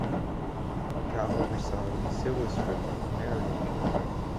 The couple reside in Silver Spring, Maryland.